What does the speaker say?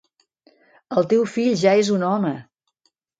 El teu fill ja és un home.